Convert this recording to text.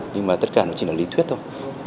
nhưng mà tất cả nó chỉ là lý thuyết thôi